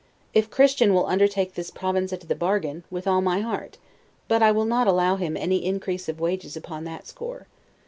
If CHRISTIAN will undertake this province into the bargain, with all my heart; but I will not allow him any increase of wages upon that score.